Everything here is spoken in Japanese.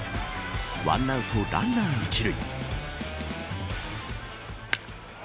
１アウトランナー１塁。